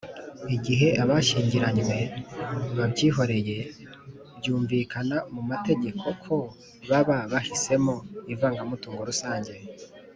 igihe abashyingiranywe babyihoreye byumvikana mu mategeko ko baba bahisemo ivangamutungo rusange.